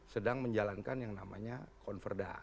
sedang menjalankan yang namanya konverda